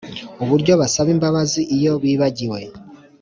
Uburyo basaba imbabazi iyo bibagiwe